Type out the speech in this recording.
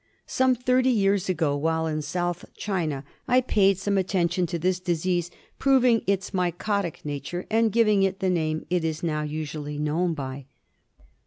Some thirty years ago, while in South China, I paid some attention to this disease, proving its mycotic nature, and giv ^B \«'^ ^B ^W ''^^*^^^^ name it is now > 4i.'6t...^Hi' '^' usually known by.